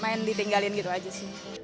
main ditinggalin gitu aja sih